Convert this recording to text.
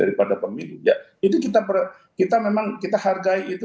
itu kita memang kita hargai itu